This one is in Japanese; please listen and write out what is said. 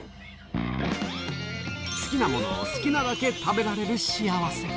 好きなものを好きなだけ食べられる幸せ。